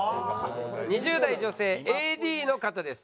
２０代女性ＡＤの方です。